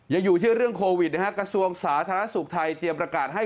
ยังอยู่ที่เรื่องโควิดนะฮะกระทรวงสาธารณสุขไทยเตรียมประกาศให้